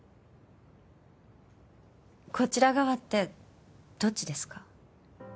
こちら側ってどっちですか？